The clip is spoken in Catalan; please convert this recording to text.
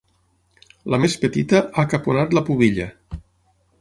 La més petita ha caponat la pubilla.